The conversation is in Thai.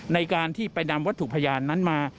ในการที่ไปนำวัตถุพยานนั้นมา